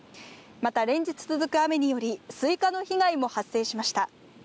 また、連日続く雨により、スイカの被害も発生しました。